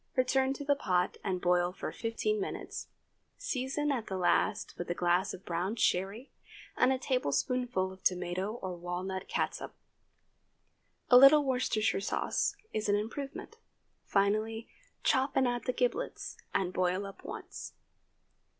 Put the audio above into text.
Return to the pot and boil for fifteen minutes; season at the last with a glass of brown sherry and a tablespoonful of tomato or walnut catsup. A little Worcestershire sauce is an improvement. Finally, chop and add the giblets, and boil up once.